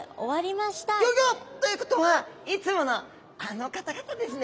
ギョギョッ！ということはいつものあの方々ですね。